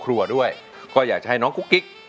คุณแม่รู้สึกยังไงในตัวของกุ้งอิงบ้าง